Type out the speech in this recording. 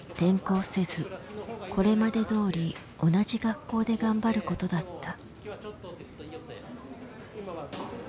これまでどおり同じ学校で頑張ることだった。